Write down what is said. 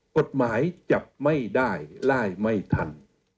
กฎหมายจับไม่ได้ไล่ไม่ทัน